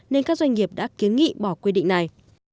nên các doanh nghiệp đã kiến nghị bỏ quy định này